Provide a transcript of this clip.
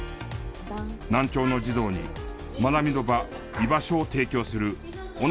難聴の児童に学びの場居場所を提供する尾中友哉。